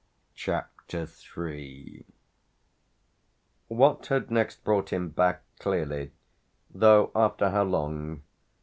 CHAPTER III What had next brought him back, clearly though after how long?